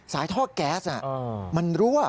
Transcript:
สายท่อกแก๊สน่ะมันรั่ว